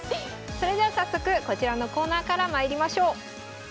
それでは早速こちらのコーナーからまいりましょう。